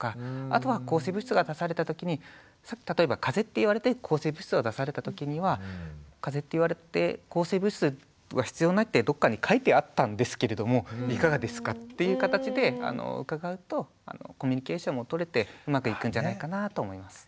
あとは抗生物質が出された時に例えばかぜって言われて抗生物質を出された時には「かぜって言われて抗生物質は必要ないってどっかに書いてあったんですけれどもいかがですか？」っていう形で伺うとコミュニケーションも取れてうまくいくんじゃないかなと思います。